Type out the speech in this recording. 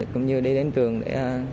cũng như đi đến trường để